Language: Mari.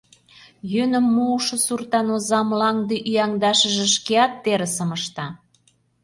Йӧным мушо суртан оза мланде ӱяҥдашыже шкеат терысым ышта.